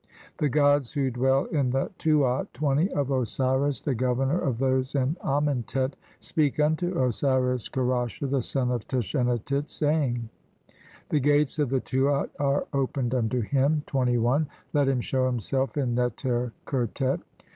The gods who dwell in the Tuat (20) of Osiris, the Governor of those in Amentet, speak unto Osiris Ker asher, the son of Tashenatit, saying: — "The gates of the Tuat are opened unto him, "(21) let him shew himself in Neter khertet.